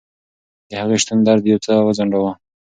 د هغې شتون درد یو څه وځنډاوه.